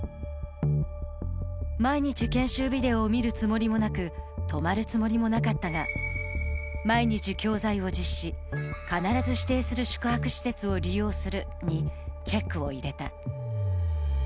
毎日研修ビデオを見るつもりもなく、泊まるつもりもなかったが、毎日教材を実施、必ず指定する宿泊施設を利用するにチェックを入れた。